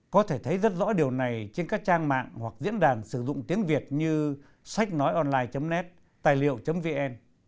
có thể thấy rất rõ điều này trên các trang mạng hoặc diễn đàn sử dụng tiếng việt như sách nói online net tài liệu vn